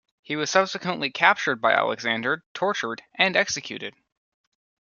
He was subsequently captured by Alexander, tortured, and executed.